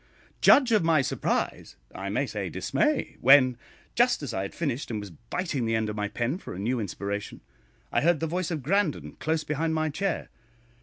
Judge of my surprise I may say dismay when, just as I had finished, and was biting the end of my pen for a new inspiration, I heard the voice of Grandon close behind my chair.